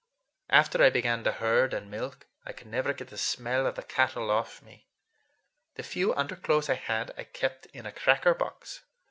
After I began to herd and milk I could never get the smell of the cattle off me. The few underclothes I had I kept in a cracker box.